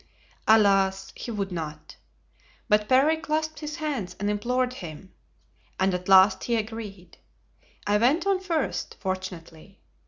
Alas! he would not. But Parry clasped his hands and implored him, and at last he agreed. I went on first, fortunately.